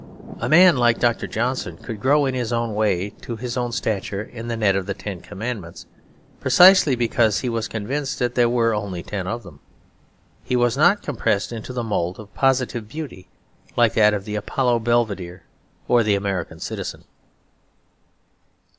A man like Dr. Johnson could grow in his own way to his own stature in the net of the Ten Commandments; precisely because he was convinced there were only ten of them. He was not compressed into the mould of positive beauty, like that of the Apollo Belvedere or the American citizen.